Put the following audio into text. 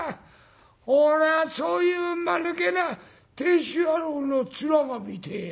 俺はそういうまぬけな亭主野郎の面が見てえや」。